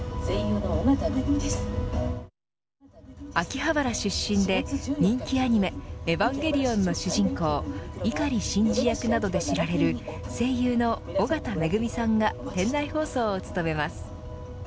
秋葉原出身で人気アニメエヴァンゲリオンの主人公碇シンジ役などで知られる声優の緒方恵美さんが店内放送を務めます。